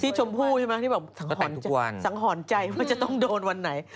พี่ชมพู่ใช่ไหมที่สังหอนใจว่าจะต้องโดนวันไหน